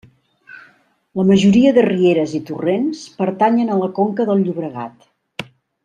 La majoria de rieres i torrents pertanyen a la conca del Llobregat.